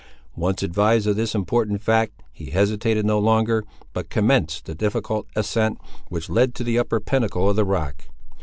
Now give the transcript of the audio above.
Once advised of this important fact, he hesitated no longer, but commenced the difficult ascent which led to the upper pinnacle of the rock.